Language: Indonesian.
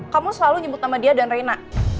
kamu selalu nyebut nama dia dan reina